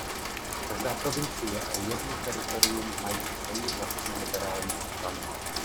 Každá provincie a jedno teritorium mají svoji vlastní Liberální stranu.